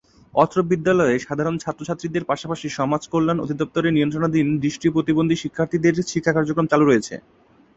অত্র বিদ্যালয়ের সাধারণ ছাত্র-ছাত্রীদের পাশাপাশি সমাজ কল্যাণ অধিদপ্তরের নিয়ন্ত্রণাধীন দৃষ্টি প্রতিবন্ধী শিক্ষার্থীদের শিক্ষা কার্যক্রম চালু রয়েছে।